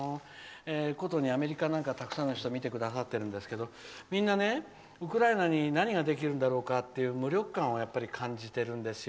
ことにアメリカなんかはたくさんの方が見てくださっているんですけどみんな、ウクライナに何ができるんだろうかっていう無力感を感じてるんですよ。